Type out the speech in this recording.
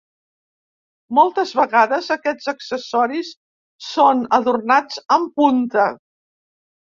Moltes vegades aquests accessoris són adornats amb punta.